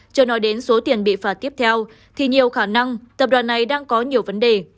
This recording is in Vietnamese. chưa nói đến số tiền bị phạt tiếp theo thì nhiều khả năng tập đoàn này đang có nhiều vấn đề